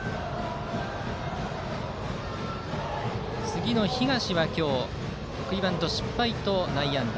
次の東は今日送りバント失敗と内野安打。